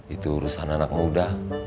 itu urusan anak muda